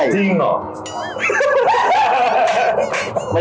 จริงเหรอ